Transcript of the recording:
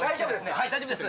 はい大丈夫です。